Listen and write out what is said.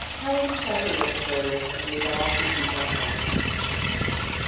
Helen shut her lips firmly and resolved to keep on hunting.